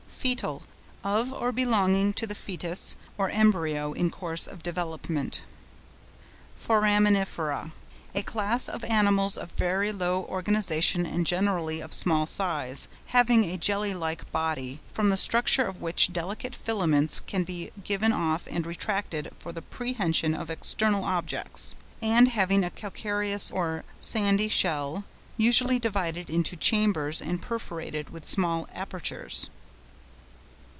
FOETAL.—Of or belonging to the foetus, or embryo in course of development. FORAMINIFERA.—A class of animals of very low organisation and generally of small size, having a jelly like body, from the surface of which delicate filaments can be given off and retracted for the prehension of external objects, and having a calcareous or sandy shell, usually divided into chambers and perforated with small apertures.